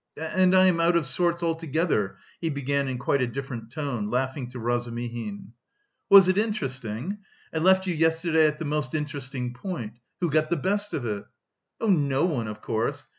And I am out of sorts altogether," he began in quite a different tone, laughing to Razumihin. "Was it interesting? I left you yesterday at the most interesting point. Who got the best of it?" "Oh, no one, of course.